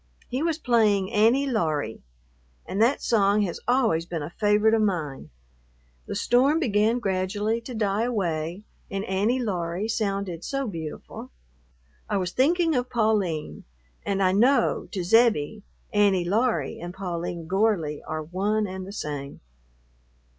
He was playing "Annie Laurie," and that song has always been a favorite of mine. The storm began gradually to die away and "Annie Laurie" sounded so beautiful. I was thinking of Pauline and, I know, to Zebbie, Annie Laurie and Pauline Gorley are one and the same.